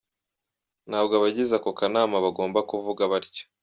"Ntabwo abagize ako kanama bagomba kuvuga batyo.